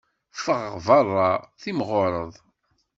Ffeɣ beṛṛa, timɣureḍ.